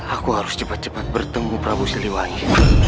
aku harus cepat cepat bertemu prabu siliwangi